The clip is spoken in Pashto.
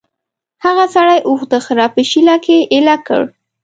هغه سړي اوښ د غره په شېله کې ایله کړ.